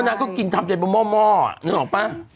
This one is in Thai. แล้วนางก็ทำจากหม้อนึกออกป่ะ